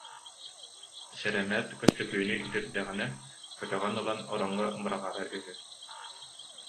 Сэрэмээт Көстөкүүнү итирдэҕинэ көтөҕөн ылан ороҥҥо быраҕара үһү